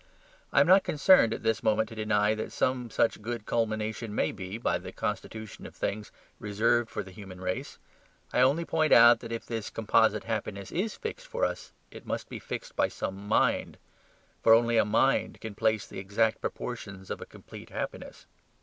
I am not concerned at this moment to deny that some such good culmination may be, by the constitution of things, reserved for the human race. I only point out that if this composite happiness is fixed for us it must be fixed by some mind; for only a mind can place the exact proportions of a composite happiness.